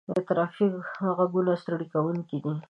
د ترافیک غږونه ستړي کوونکي دي.